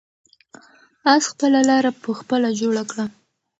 آس خپله لاره په خپله جوړه کړه.